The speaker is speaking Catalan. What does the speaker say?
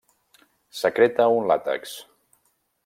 Secreta un làtex.